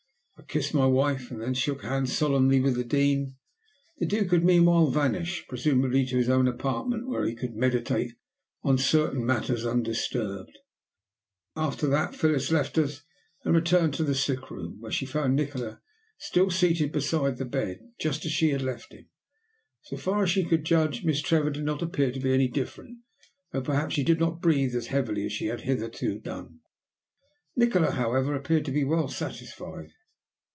I kissed my wife, and then shook hands solemnly with the Dean. The Duke had meanwhile vanished, presumably to his own apartment, where he could meditate on certain matters undisturbed. After that Phyllis left us and returned to the sick room, where she found Nikola still seated beside the bed, just as she had left him. So far as she could judge, Miss Trevor did not appear to be any different, though perhaps she did not breathe as heavily as she had hitherto done. Nikola, however, appeared to be well satisfied.